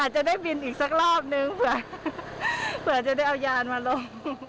จะได้บินอีกสักรอบนึงเผื่อจะได้เอายานมาลง